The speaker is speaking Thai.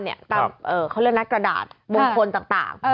เขาเรียกนักกระดาษวงคลต่าง